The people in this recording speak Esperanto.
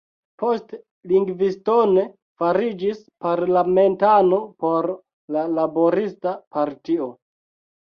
Poste Livingstone fariĝis parlamentano por la Laborista Partio.